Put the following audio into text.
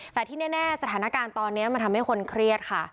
แต่ที่แน่สถานการณ์ตอนนี้มันทำให้คนเครียดค่ะ